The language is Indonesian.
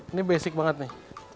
ini basic banget nih